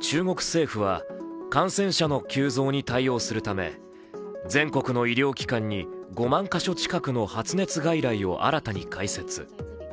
中国政府は感染者の急増に対応するため全国の医療機関に５万か所近くの発熱外来を新たに開設。